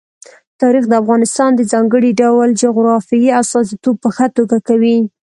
تاریخ د افغانستان د ځانګړي ډول جغرافیې استازیتوب په ښه توګه کوي.